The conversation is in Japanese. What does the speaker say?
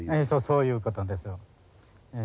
そういうことです。